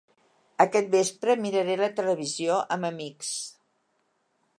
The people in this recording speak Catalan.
Aquest vespre miraré la televisió amb amics.